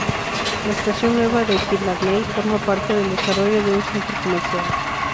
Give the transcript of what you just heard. La estación nueva de Killarney forma parte del desarrollo de un centro comercial.